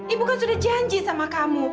ibu kan sudah janji sama kamu